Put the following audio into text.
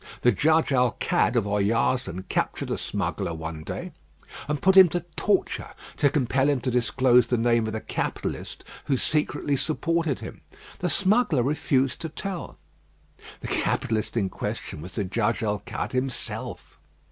The Judge Alcade of Oyarzun captured a smuggler one day, and put him to torture to compel him to disclose the name of the capitalist who secretly supported him. The smuggler refused to tell. The capitalist in question was the Judge Alcade himself.